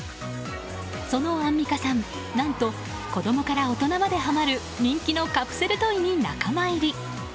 そのアンミカさん何と、子供から大人まではまる人気のカプセルトイに仲間入り。